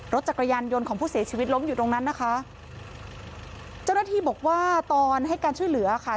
รถจักรยานยนต์ของผู้เสียชีวิตล้มอยู่ตรงนั้นนะคะเจ้าหน้าที่บอกว่าตอนให้การช่วยเหลือค่ะ